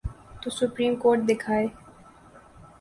تو supreme court دکھائے۔